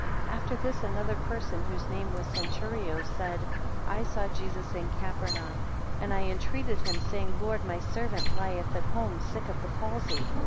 34 After this another person, whose name was Centurio, said, I saw Jesus in Capernaum, and I entreated him, saying, Lord, my servant lieth at home sick of the palsy.